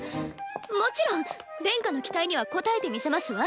もちろん殿下の期待には応えてみせますわ。